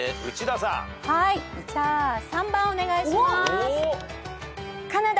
はいじゃあ３番お願いします。